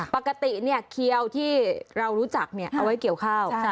ปกติเคี้ยวที่เรารู้จักเอาไว้เกี่ยวข้าว